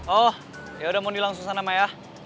oh ya udah moni langsung sana mah ya